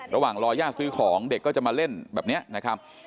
ระหว่างรอย่าซื้อของเด็กก็จะมาเล่นแบบนี้นะครับ